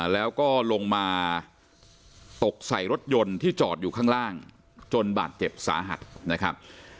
แล้วก็ลงมาตกใส่รถยนต์ที่จอดอยู่ข้างล่างจนบาดเจ็บสาหัสนะครับ